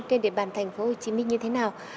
thành phố hồ chí minh như thế nào